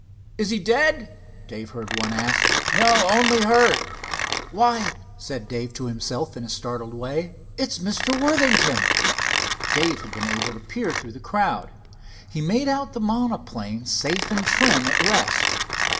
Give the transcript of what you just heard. "Is he dead?" Dave heard one ask. "No, only hurt." "Why," said Dave to himself in a startled way, "it's Mr. Worthington." Dave had been able to peer through the crowd. He made out the monoplane, safe and trim, at rest.